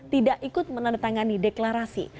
tidak ikut menandatangani deklarasi